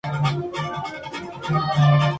Márquez y Av.